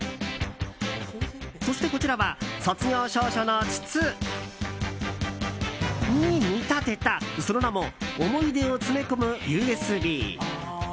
そして、こちらは卒業証書の筒。に見立てた、その名も思い出を詰め込むＵＳＢ。